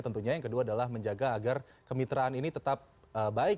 tentunya yang kedua adalah menjaga agar kemitraan ini tetap baik